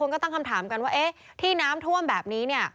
ก็ตั้งคำถามกันว่าเอ๊ะที่น้ำท่วมแบบนี้เนี่ย